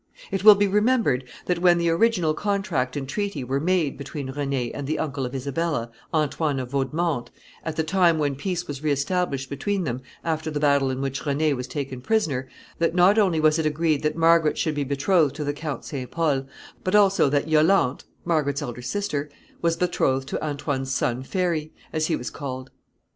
It will be remembered that when the original contract and treaty were made between René and the uncle of Isabella, Antoine of Vaudemonte, at the time when peace was re established between them, after the battle in which René was taken prisoner, that not only was it agreed that Margaret should be betrothed to the Count St. Pol, but also that Yolante, Margaret's elder sister, was betrothed to Antoine's son Ferry, as he was called.